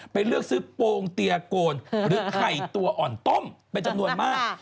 เลือกซื้อโปรงเตียโกนหรือไข่ตัวอ่อนต้มเป็นจำนวนมาก